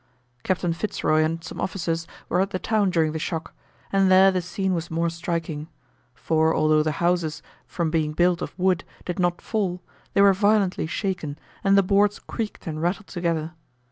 Captain Fitz Roy and some officers were at the town during the shock, and there the scene was more striking; for although the houses, from being built of wood, did not fall, they were violently shaken, and the boards creaked and rattled together.